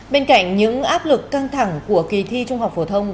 bên cạnh những áp lực căng thẳng của kỳ thi trung học phổ thông